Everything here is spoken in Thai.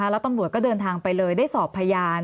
แล้วต้องบอบดูก็ไปเลยได้สอบพยาน